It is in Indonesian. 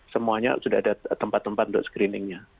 semuanya sudah ada tempat tempat untuk screeningnya